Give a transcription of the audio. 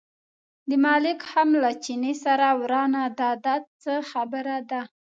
د ملک هم له چیني سره ورانه ده، دا څه خبره ده.